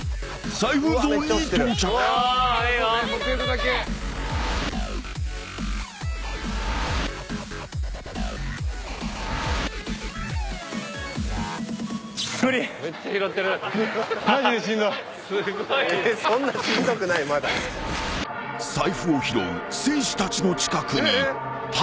［財布を拾う選手たちの近くにハンター］